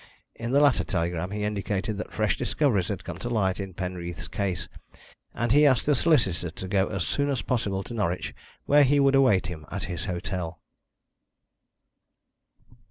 In the latter telegram he indicated that fresh discoveries had come to light in Penreath's case, and he asked the solicitor to go as soon as possible to Norwich where he would await him at his hotel.